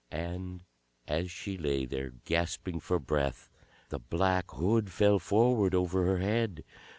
And as she lay there, gasping for breath, the black hood fell forward over her head.